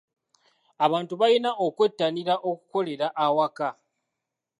Abantu balina okwettanira okukolera awaka.